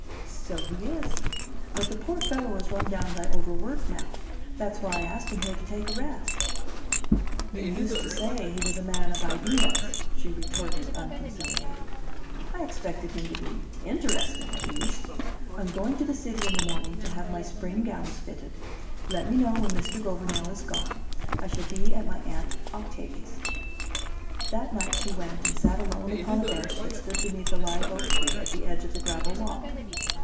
"So he is. But the poor fellow is run down by overwork now. That's why I asked him here to take a rest." "You used to say he was a man of ideas," she retorted, unconciliated. "I expected him to be interesting, at least. I'm going to the city in the morning to have my spring gowns fitted. Let me know when Mr. Gouvernail is gone; I shall be at my Aunt Octavie's." That night she went and sat alone upon a bench that stood beneath a live oak tree at the edge of the gravel walk.